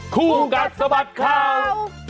คู่กัดสะบัดข่าว